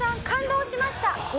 感動しました！」。